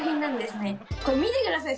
これ見てください。